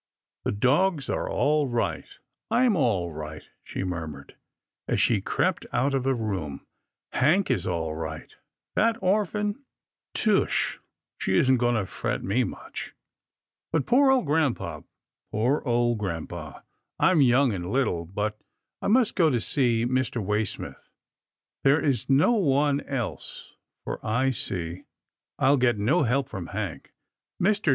" The dogs are all right, I'm all right," she mur mured, as she crept out of the room, " Hank is all right — That orphan — tush ! she isn't going to fret me much ; but poor old grampa — poor old grampa. I'm young and little, but I must go to see Mr. Way smith. There is no one else, for I see I'll get no help from Hank. Mr.